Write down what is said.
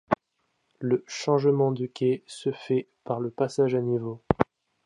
Le changement de quai se fait par le passage à niveau.